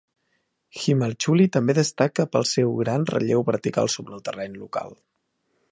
Himalchuli també destaca pel seu gran relleu vertical sobre el terreny local.